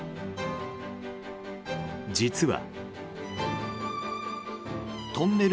実は。